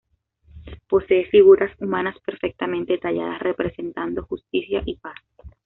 Posee figuras humanas perfectamente talladas, representando justicia y paz.